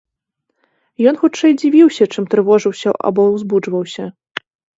Ён хутчэй дзівіўся, чым трывожыўся, або ўзбуджваўся.